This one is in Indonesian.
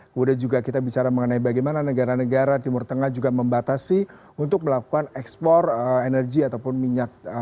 kemudian juga kita bicara mengenai bagaimana negara negara timur tengah juga membatasi untuk melakukan ekspor energi ataupun minyak